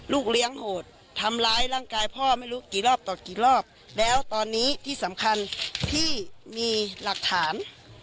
เลี้ยงโหดทำร้ายร่างกายพ่อไม่รู้กี่รอบต่อกี่รอบแล้วตอนนี้ที่สำคัญพี่มีหลักฐาน